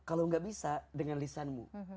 kalau gak bisa dengan lisanmu